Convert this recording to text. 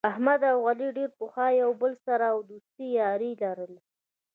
احمد او علي ډېر پخوا یو له بل سره دوستي یاري لري.